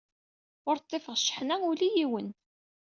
Ur ḍḍifeɣ cceḥna ula i yiwen.